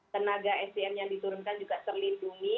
tenaga sdm yang diturunkan juga terlindungi